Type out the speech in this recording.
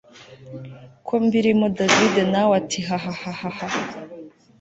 ko mbirimo david nawe ati hahahahah